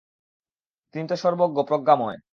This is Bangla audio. তিনি তো সর্বজ্ঞ, প্রজ্ঞাময়।